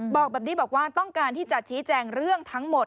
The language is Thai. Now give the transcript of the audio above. บอกแบบนี้บอกว่าต้องการที่จะชี้แจงเรื่องทั้งหมด